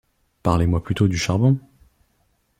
Parlez-moi plutôt du charbon!